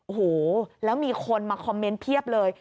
โอ้โหแล้วมีคนมาคอมเมนต์เพียบเลย